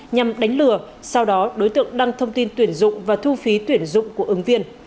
nhằm đánh lừa sau đó đối tượng đăng thông tin tuyển dụng và thu phí tuyển dụng của ứng viên